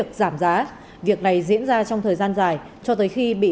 cảm ơn các bạn đã theo dõi